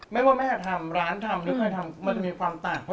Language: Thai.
ไม่ว่าแม่ทำร้านทำก็ให้มีความต่าง